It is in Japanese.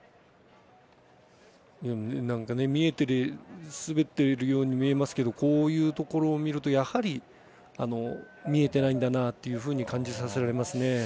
見えて滑っているように見えますけどこういうところを見るとやはり見えてないんだなというふうに感じさせられますね。